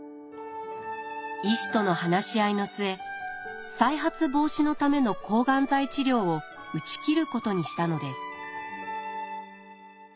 医師との話し合いの末再発防止のための抗がん剤治療を打ち切ることにしたのです。